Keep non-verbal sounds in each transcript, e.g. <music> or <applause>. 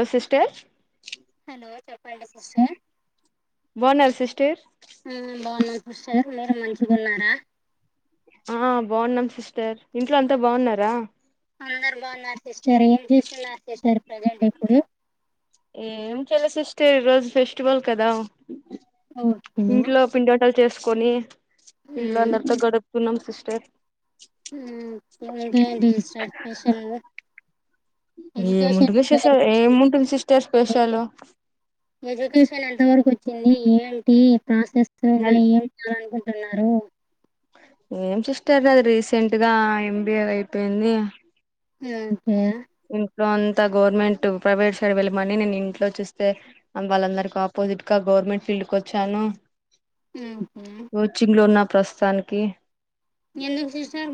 ఆ sister hello sister బన్నారా sister ఉమ్ బాగున్నాను సిస్టర్ మీరు మంచిగా ఉన్నారా ఆ బాన్నాం సిస్టర్ ఇంట్లో అంతా బాన్నారా అందరు బాగున్నారు సిస్టర్ ఏం చూస్తున్నారు సిస్టర్ ప్రజెంట్ ఇప్పుడు ఏం చేయల సిస్టర్ ఈ రోజు ఫెస్టివల్ కదా ఉమ్ ఉమ్ లు చేసుకొని ఇంట్లో అందరితో గడుపుతున్నాం సిస్టర్ ఉమ్ ఇంకేంటి సిస్టర్ స్పెషల్ ఎడ్యుకేషన్ ఏముంటుంది సేషల్ ఏముంటుంది సిస్టర్ స్పెషలు ఎడ్యుకేషన్ ఎంత వరక్ వచ్చింది ఏంటి ప్రాసెస్ ఇంగ అది ఏమి చేయాలనుకుంటున్నారు ఏం సిస్టర్ నాది రీసెంట్ గా ఎంబిఏ అయిపోయింది ఉమ్ హు ఇంట్లో అంతా గవర్నమెంట్ ప్రైవేట్ సైడ్ వెళ్ళమని నేను ఇంట్లో చూస్తే వాళ్ళందరికి ఆపో జిట్ గా గవర్నమెంట్ ఫీల్డ్కోచ్చాను ఉమ్ హు ప్రస్తుతానికి ఎందుకు సిస్టర్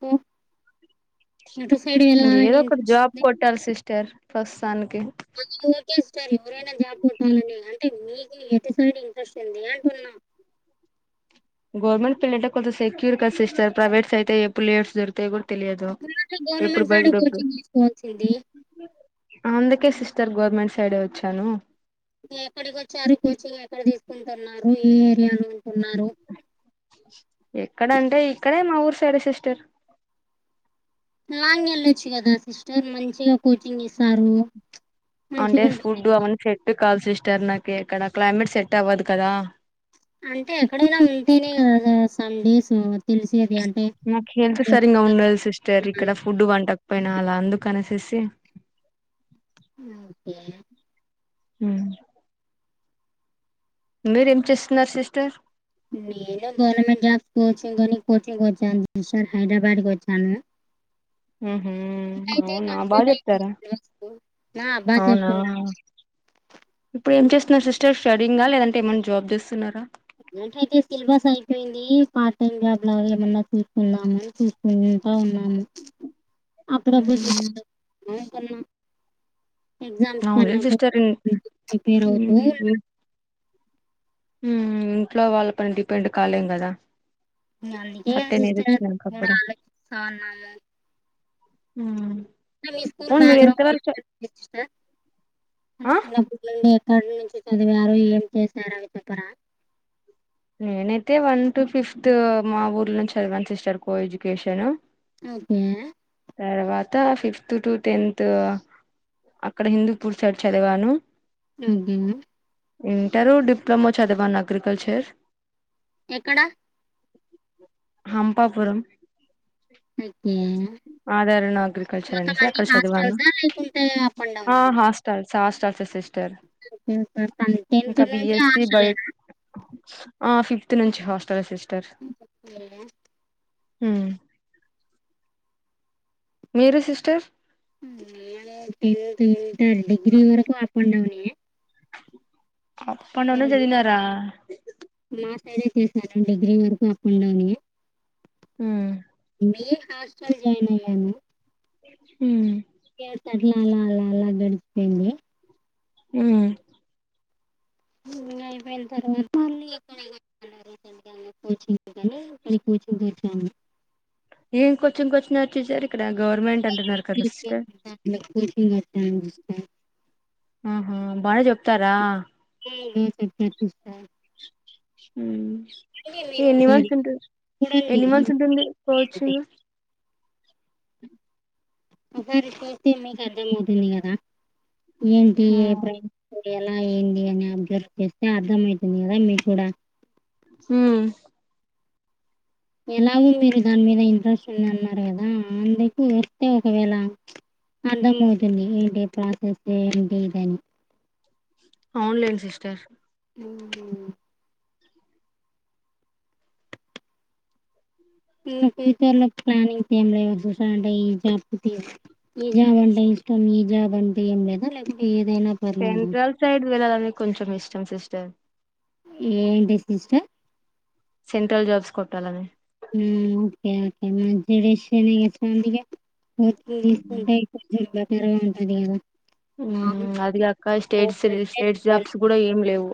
మ్ ఇంగేదో ఒకటి ఇంట్రెస్ట్ జాబ్ కొట్టాలి సిస్టర్ ప్రస్తుతానికి అది ఓకే సిస్టర్ ఎవరైనా జాబ్ కొట్టాలని అంటే మీకు ఎటు సైడ్ ఇంట్రెస్ట్ ఉంది అంటున్నా <inaudible> గవర్నమెంట్ ఫీల్డ్ అయితే కొంత సెక్యూర్ కద సిస్టర్ ప్రవేట్స్ అయితే ఎప్పుడు లే ఆఫ్స్ జరుగుతాయో కూడా తెలియదు ఉన్నట్టు ఎప్పుడు గవర్నమెంట్ సైడ్ బయకు డొబ్ కోచింగ్ తీసుకోవాల్సింది. అందుకే సిస్టర్ గవర్నమెంట్ సైడే వచ్చాను ఎక్కడికి వచ్చారు కోచింగ్ ఎక్కడ తీసుకుంటున్నారు ఏ ఏరియాలో ఉంటున్నారు? ఎక్కడంటే ఇక్కడే మా ఊరు సైడే సిస్టర్ లాంగ్ వెళ్ళొచ్చు కదా సిస్టర్ మంచిగా కోచింగ్ ఇస్తారు అంటే మంచిగుంట ఫుడ్ అవన్న సెట్ కాలి సిస్టర్ నాకి ఎక్కడ క్లైమేట్ సెట్ అవ్వదు కదా అంటే ఎక్కడైనా ఉంటేనే కదా సమ్ డేస్ తెలిస్ నాకు హెల్త్ సరింగా ఉండదు సిస్టర్ ఇక్కడ ఫుడ్ వంట కపోయినా అలా అందుకు అనేసేసి మ్ ఓకే ఉమ్ మీరేం చేస్తున్నారు సిస్టర్ నేను గవర్నమెంట్ జాబ్స్ కోచింగ్ అని కోచింగొచ్ చాను సిస్టర్ హైదరాబాద్ కి వచ్చాను ఉహు, అవునా బాగా చెప్తారా <inaudible> నా బా అవునా చెప్పున్న ఇప్పుడు ఏం చేస్తున్నారు సిస్టర్ స్టడీంగా లేదంటే ఏమైనా జాబ్ చేస్తున్నారా ఏంటంటే సిలబస్ అయిపోయింది పార్ట్ టైమ్ జాబ్ లాగా ఏమన్నా చూసుకుందాము చూస్ స్తా ఉన్నాము ఉహు. అప్పుడప్పుడున్నా అనుకున్న ఎగజామ్స్ అవునులే సిస్టర్ ఇన్ పడినపుడు ఒకే రోజు ఉమ్ ఇంట్లో వాళ్ళ పైన డిపెండ్ కాలేం కదా ఉమ్ అందుకే సర్టెన్ ఏజ్ సిస్టర్ వచ్చినంక నేను ఆలోచిస్తున్నాము ఉమ్ మీ స్కూల్ బ్యాక్గ్రౌండ్ సిస్టర్ అంటే ఆ చిన్న ఏక్కడి నుంచి చదివారు ఏం చేశారు అవి చెప్పరా నేనైతే వన్ టు ఫిఫ్త్ మా ఊర్లో చదివాను సిస్టర్ కో ఎడ్యుకేషన్ ఓకే తర్వాత ఫిఫ్త్ టు టెన్త్ అక్కడ హిందూపూర్ సైడ్ చదివాను అహా ఇంటారు డిప్లొమో చదవాను అగ్రికల్చర్ ఎక్కడ హంపాపురం ఓకే ఆదరణ అగ్రికల్చర్ మొత్తం అనేసి అన్ని అక్కడ చదివాను హాస్టల్సా లేకుంటే అప్ అండ్ ఆ డౌనా హాస్టల్ ఫహాస్టల్స్ సిస్ టెన్త్ నుండి బిఎస్సి బయో హాస్టలేన ఆ ఫిఫ్త్ నుంచి హాస్టల్ సిస్ ఓకే ఉ మీరు సిస్టర్ నెను టెన్త్ ఇంటర్ డిగ్రీ వరకు అప్ అండ్ డౌన్ ఏ అప్పన్న ఉన్న చదిినారా అేనే చేశాను డిగ్రీ వరకు అప్ అండ్ డౌన్ హహ బి హాస్టల్ జాయిన్ అయ్యాను హ స్ అట్లా అలా అలా అలా గడిచిపోయింది ఆ తర్వాత రసె కని కొచీంగ్ చెత్తానా ఇంకొచ్చం ఇంకొచ్చిన వచ్చసారు ఇక్కడ గవర్నమెంట్ అంటున్నారు కదాే సిస్టర్ <unintelligible> సిస్టర్ ఆహ బాగా చెప్తారా లోో సప్తా ప తీస్ట హ ఎన్ని ఒకసారి మంది ఉం చూడండి ఎన్ని మంత్స్ ఉంటుంది పోవచ్చింగ ఒకసారి చేస్తే మీకు అర్థంమవుతుంది కదా ఏంటి ఏ ప్రై ఉమ్ అలా ఏంది అని అబ్జర్వ్ చేస్తే అర్థంమవుతుంది కదా మీ కూడా హమ్ ఎలావ మీరు దాని మీద ఇంట్రెస్ట్ ఉంది అన్నారు కదా అందుకు వస్తే ఒకవేళ అర్థమవుతుంది ఏ ప్రాసెస్ ఏంటి ఇదని అవునులేండి సిస్టర్ ఉహ తలో ప్లానింగ్ తీ ఏం లే చూసా అంటే ఈ జాబ్ తీ ఈ జాబ్ అంటే ఇష్టం నిజాబ్ అంటే ఏం లేదా లేకపోతే సెంట్రల్ సైడ్ వెళ్ళాలని కొంచం ఇష్టం సిస్టర్ ఏంటి సిస్టర్ సెంట్రల్ జాబ్స్ కొట్టాలనే ఓకే ఓకే మంచి విషడ చందిగా వర్తింగ్ తీసుకుంటే కొంచెం బెటర్గా ఉంటది కదా అదిగాక స్టేట్స్ అందుకే స్టేట్ జాబ్స్ కూడా ఏమి లేవు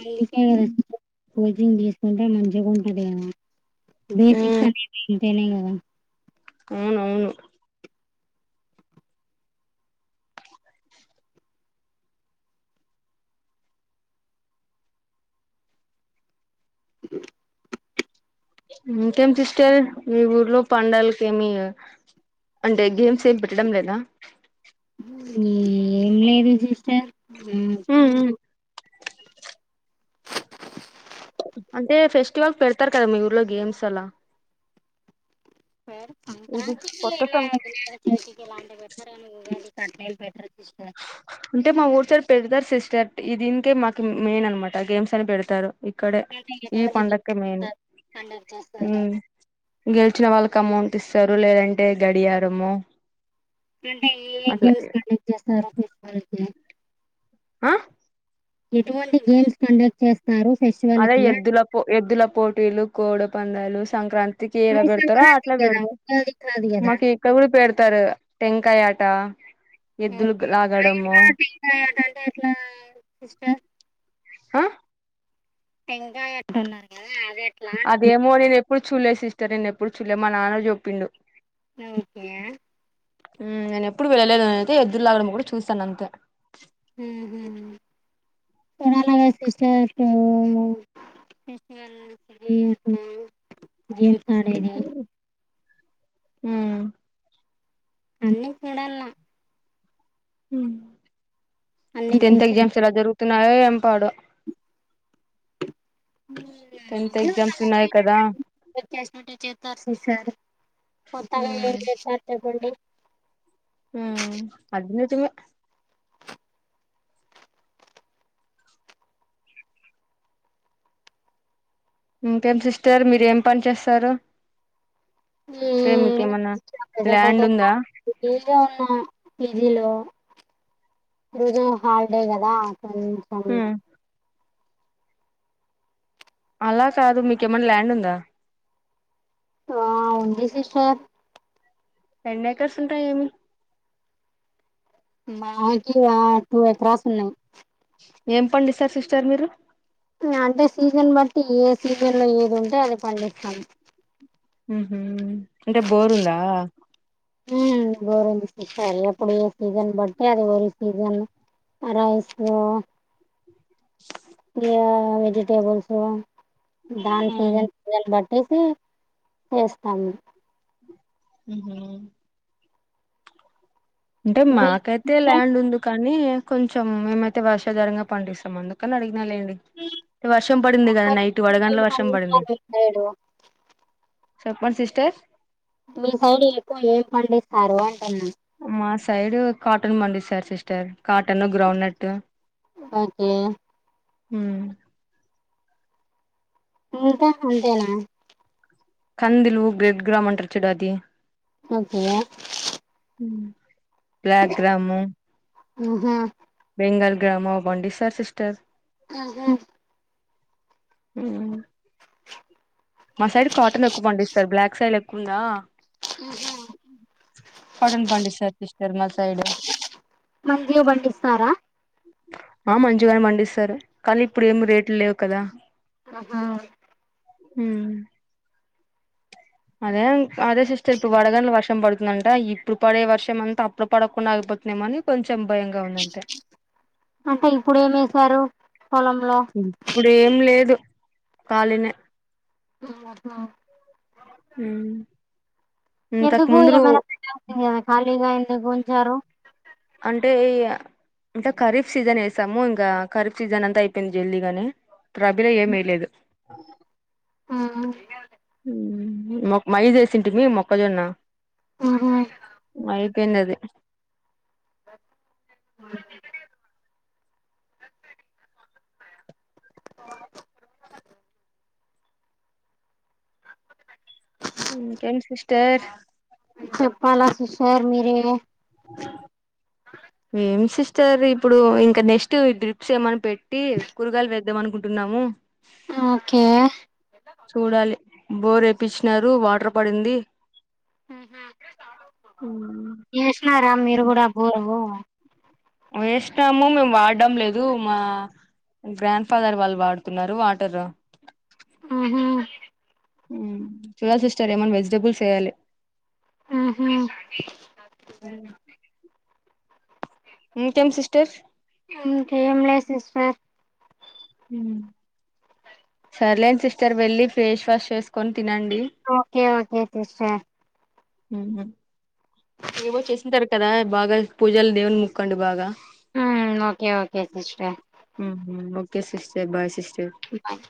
అందుకే కదా కోచింగ్ తీసుకుంటే మంచిగా ఉంటది కదా బేసిక్స్ ఉమ్ అనేవి ఇంతేనేమో అవునవును ఇంకేం సిస్టర్, మీ ఊర్లో పండలకేమి అంటే గేమ్స్ ఏం పెట్టడం లేదా ఎమ్ లేదు సిస్టర్ అంత అంటే ఫెస్టివల్ పెడతారు కదా. మీ ఊర్లో గేమ్స్ అలా హై ఇది సంక్రాంతికి కొత్త ఎలా సం వియకచతికి ఎలాంటి పెటారండి కట్నలు పెట్ట అంటే మా ఊరు సారి పెడదారు సిస్ చాట్ ఇది ఇంకే మాకి, మెయిన్ అన్నమాట గేమ్స్ అని పెడతారు. ఇక్కడే అంటే ఈ ఎటువంటి పండకే మెయిన్ గిఫ్ట్స్ కండక్ట్ చేస్తారు హమ్ గెలిచిన వాళ్ళకి అమౌంట్ యిస్తారు లేదంటే గడియారమో అంటే ఏ ఏ గేమ్స్ కండక్ట్ చేస్తారు హ్ ఆహ్ ఎటువంటి గేమ్స్ కండక్ట్ చేస్తార్ అదే ఎద్దుల పో ఎద్దుల పోటీలు కోడి పందాలు సంక్రాంతి తికి ఎలా అవి పెడతారో సంక్రాంతికి అట్లా కదా పెడతరు ఉగాదికి కాదు కదా మాకు ఇక్కడ కూడా పెడతారు టెంకాయ ట ఓ కంటే ఎట్లా సిస్టర్ ఆహ్ టెంకాయ ఎట్టన్నారు అదే అదేమో నేను ఎప్పుడు చూల్లె సిస్టర్, నేను ఎప్పుడు చూల్లె, మా నాన్న చొప్పిండు. లవ్ క్యాయా నేను ఎప్పుడు వెళ్ళలేదు నేను అయితే ఎద్దులు లాగడం కూడా చూసాను అంతే హమ్ తెలడాలగా సిస్టర్ ఓ ఫస్టివల్స్, యా, అమ్మ, యే కారూ ఆ అన్నీ చూడల్ల హమ్ అన్నీ ఇప్పుడు టెన్త్ చూసాను ఎగ్జామ్స్ ఎలా జరుగుతున్నాయో ఏం పాడో టెన్త్ అందరూ ఎగ్జామ్స్ కనెక్ట్ ఉన్నయి. కదా, అయినట్టు చేసినట్టే చేస్తారు సిస్టర్ కొత్తగా ఏం చేస్తారు చెప్పండి ఉహ్మ్ అది నిజమే ఇంకేం సిస్టర్, మీరు ఏం పని చేస్తారు? అంటే ఉహ్మ్ మీకేమన్నా ప్రజంట్ అయితే ల్యాండ్ ఉందా కాలిగా ఆ పీజీలో ఈరోజు హాలిడే కదా. అక్రమ్ క్రమ్ అలా కాదు. మీకేమన్న ల్యాండ్ ఉందా? ఆ ఉంది సిస్టర్. ఎన్ని ఎకర్స్ ఉన్నాయి ఏమి మాకి వాకు టూ ఎక్రాస్ ఉన్నాయి ఏం పండిస్తారు సిస్టర్ మీరు అంటే సీజన్ బట్టి ఏ సీజన్ లో ఏది ఉంటే అది పండిస్తాం ఉహు అంటే బోరుందా ఉహ్మ్ బోరుంది సిస్టర్ సీసన్ బట్ అది ఓరి సీసన్ ఆ రైస్ ఉ ఇగా వెజిటేబుల్స్ దాన్, సీజన్ ఉందా సీజన్ బట్, టెసి వేస్తాము ఉహు అంటే మాకైతే ల్యాండ్ ఉంది కా కానీ కొంచెం మేమైతే వర్షాధారంగా పండిస్తాం అందుకని అడిగిన లేండి వర్షం పడింది కదా నైట్ వడగండ్ల వర్షం మీ పడింది సైడు చెప్పండి సిస్టర్ మీ సైడ్ ఎక్కువ ఏం పండిస్తారు అంటన్న మా సైడ్ కాటన్ పండిస్తారు sister cotton groundnut okay మ్మ్ ఇంక అంతేనా కందులు రెడ్ గ్రామంటారు చూడు అది ఓకే రా మ్మ్ యా గ్రామం ఉహు పండిస్తారు సిస్టర్ ఆహ ఉనా మా సైడ్ కాటన్ ఎక్కువ పండిస్తారు బ్లాక్ సాయిల్ ఎక్కువుందా హు హు <unintelligible> కాటన్ పండిస్తారు సిస్టర్ మా సైడు మంచిగా పండిస్తారా ఆ మంచిగానే పండిస్తారు కానీ ఇప్పుడు ఏమి రేట్లు లేవు కదా ఆహా మ్మ్ అదే అదే సిస్టర్ ఇప్పుడు వడగండ్ల వర్ష వర్షం పడుతుందంట ఇప్పుడు పడే వర్షం అంతా అప్పుడు పడకుండా ఆయిపోతుందేమోనని కొంచెం భయంగా ఉందంతే అంటే ఇప్పుడు ఏమి ఏసారు ఇప్పుడు ఏం లేదు ఖాళీనే ఔను అక్క మ్మ్ ఎందుకు ఏమైనా పెట్టాల్సిందిగ ఖాళీగా ఎందుకు ఉంచారు అంటే ఎయ్యా అంటే ఖరీఫ్ సీజన్ వేసాము ఇంకా ఖరీఫ్ సీజన్ అంతా అయిపోయింది జల్దీగానే <unintelligible> ప్రభిల ఏమి వెయ్యలేదు అవున మ్మ్ ఓక్క మైయ్ వేసింటిమీ మొక్కజొన్న ఉహు మై తిన్నది <inaudible> <unintelligible> ఇంకేం సిస్టర్ చెప్పాలా సిస్టర్ మీరే ఏం సిస్టర్ ఇప్పుడు ఇంకా నెక్స్ట్ డ్రిప్స్ ఏమన్నా పెట్టి కూరగాయలు వేమనుకుంటున్నాము ఓకే చూడాలి బోర్ ఏపిచ్చినారు వాటర్ పడింది వేసినారా మీరు కూడా బోరు ఎస్నము మేము వాడ్డం లేదు మా గ్రాండ్ ఫాదర్ వాళ్ళు వాడుతున్నారు వాటర్ ఉహు చూడాలి సిస్టర్ ఏమన్నా వెజిటేబుల్స్ వేయ్యాలి అహ ఇంకేం సిస్టర్ ఇంకేం లే సిస్టర్ ఉ సర్లేండి సిస్టర్ వెళ్లి ఫేస్ వాష్ చేసుకున్ తినండి ఒకే సిస్ట్యా ఉహు ఏవో చేసుంటారు కదా బాగా పూజలు దేవునికి మొక్కండి బాగా ఆ okay okay sister okay sister bye sis bye